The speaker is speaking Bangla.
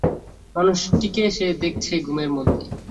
মানুষটিকে সে দেখছে ঘুমের মধ্যে?